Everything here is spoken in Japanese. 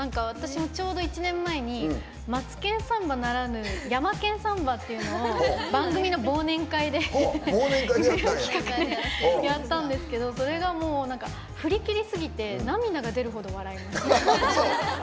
ちょうど１年前に「マツケンサンバ」ならぬ「ヤマケンサンバ」っていうのを番組の忘年会でやったんですけどそれが振り切れすぎて涙が出るほど笑いました。